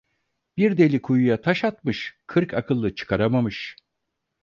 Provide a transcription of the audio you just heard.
Bir deli kuyuya taş atmış, kırk akıllı çıkaramamış.